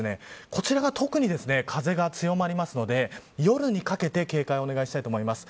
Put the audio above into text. こちらが特に風が強まりますので夜にかけて警戒をお願いしたいと思います。